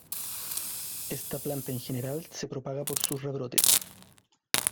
Esta planta en general se propaga por sus rebrotes.